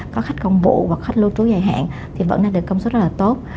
có khách công vụ và khách lưu trú dài hạn thì vẫn nên được công suất rất là tốt